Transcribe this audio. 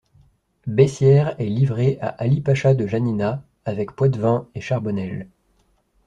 Bessières est livré à Ali Pacha de Janina, avec Poitevin et Charbonnel.